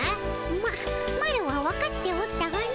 まマロはわかっておったがの。